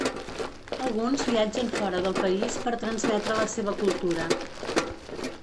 Alguns viatgen fora del país per transmetre la seva cultura.